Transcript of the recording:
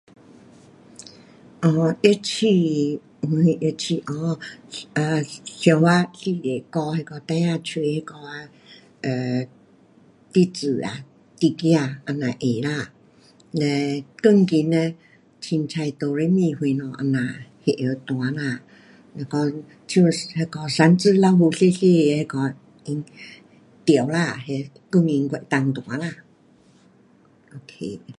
哦，乐器，有什乐器。哦，呃，小学时刻，教那个孩儿吹那个啊，um 笛子啊，笛子，这样会啦。嘞钢琴嘞，随便 doremi 什么这样那会晓弹呐,若讲像那个三只老虎那样小小的那个调啦，那钢琴我能够弹啦。